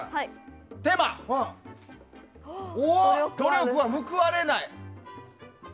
テーマ、努力は報われない。